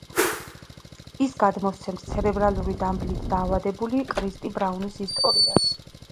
ის გადმოსცემს ცერებრალური დამბლით დაავადებული კრისტი ბრაუნის ისტორიას.